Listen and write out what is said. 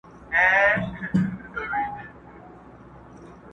چي یو ږغ کړي د وطن په نامه پورته٫